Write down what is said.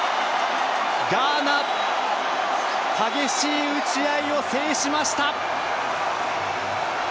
ガーナ、激しい打ち合いを制しました！